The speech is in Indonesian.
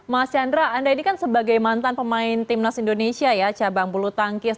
mas chandra anda ini kan sebagai mantan pemain timnas indonesia ya cabang bulu tangkis